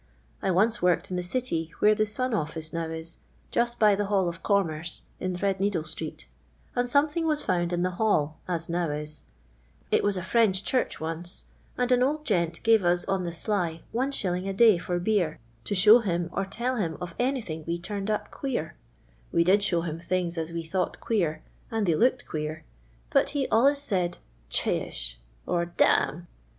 I once Worked in the City where the Sun office now is, just by the llall of Commerce in Thread needle street, and something was fomid in the Hall as now is; it was a French church once; and an old gent gave us on the sly ];f. a day for beer, to show bim or tell him of anything we LONDON LABOUR AND THE LONDON POOJt. 298 turned np qneer. We did show lum thiugs as Wf thought queer, nnd thej looked queer, but he ail'us Siiid ' Chi isli/ or * da amii.'